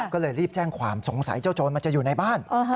ก็เลยรีบแจ้งความสงสัยเจ้าโจรมันจะอยู่ในบ้าน